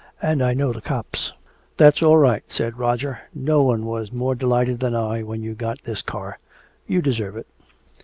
And I know the cops." "That's all right," said Roger. "No one was more delighted than I when you got this car. You deserve it.